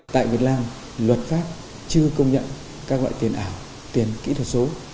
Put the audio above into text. tại việt nam luật pháp chưa công nhận các loại tiền ảo tiền kỹ thuật số